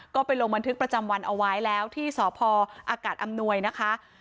ก็ไปลงบันทึกประจำวันเอาไว้แล้วที่สพอากาศอำนวยนะคะ